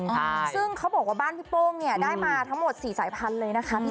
ซึ่งเขาบอกว่าบ้านพี่ป้องได้มาทั้งหมด๔สายพันธุ์เลยนะคะ